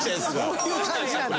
そういう感じなんだ。